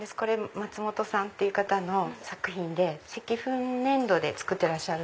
松本さんっていう方の作品で石粉粘土で作ってらっしゃる。